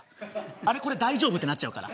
あれ、これ大丈夫ってなっちゃうから。